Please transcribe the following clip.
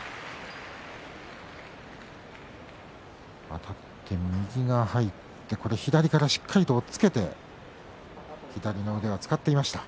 あたって右が入って左からしっかりと押っつけて左の腕は使っていました。